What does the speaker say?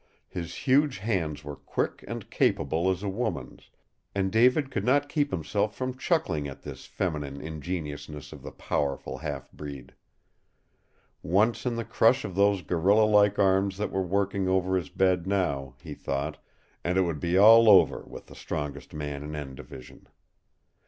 His huge hands were quick and capable as a woman's, and David could not keep himself from chuckling at this feminine ingeniousness of the powerful half breed. Once in the crush of those gorilla like arms that were working over his bed now, he thought, and it would be all over with the strongest man in "N" Division.